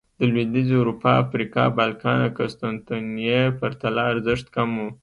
د لوېدیځې اروپا، افریقا، بالکان او قسطنطنیې پرتله ارزښت کم و